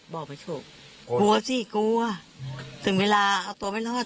บอกไม่ถูกกลัวสิกลัวถึงเวลาเอาตัวไม่รอทำไงอ่ะ